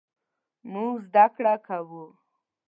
مونږ زده کړه کوو